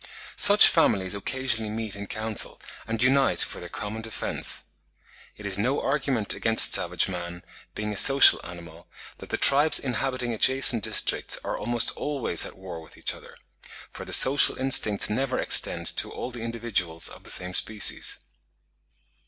Such families occasionally meet in council, and unite for their common defence. It is no argument against savage man being a social animal, that the tribes inhabiting adjacent districts are almost always at war with each other; for the social instincts never extend to all the individuals of the same species.